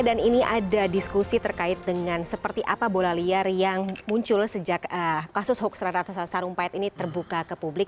dan ini ada diskusi terkait dengan seperti apa bola liar yang muncul sejak kasus hoax rata rata sarumpait ini terbuka ke publik